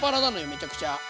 めちゃくちゃ。